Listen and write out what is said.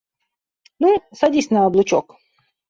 Ну, садись на облучок».